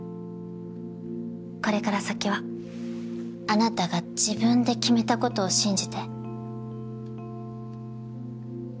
これから先はあなたが自分で決めたことを信じて。